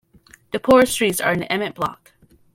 The poorest streets are in the Emmett Block.